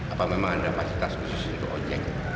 apa memang ada fasilitas khusus untuk ojek